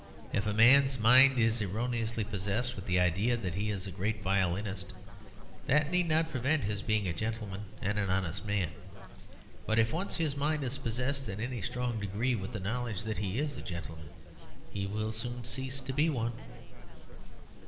If a man's mind is erroneously possessed with the idea that he is a great violinist, that need not prevent his being a gentleman and an honest man. But if once his mind is possessed in any strong degree with the knowledge that he is a gentleman, he will soon cease to be one.